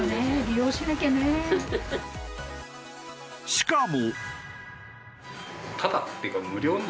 しかも。